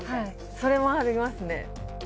それもありますね。